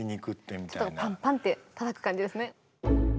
パンパンってたたく感じですね。